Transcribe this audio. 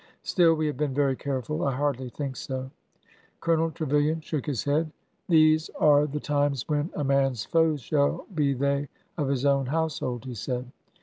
Still, we have been very careful. I hardly think so." Colonel Trevilian shook his head. These are the 2 74 ORDER NO. 11 times when ' a man's foes shall be they of his own house hold/ " he said.